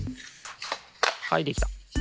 はいできた。